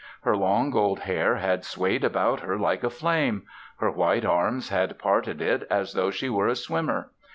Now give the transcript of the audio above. Her long gold hair had swayed about her like a flame; her white arms had parted it as though she were a swimmer.